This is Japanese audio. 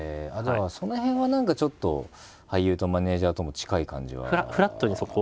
その辺は何かちょっと俳優とマネージャーとも近い感じはフラットにそこは。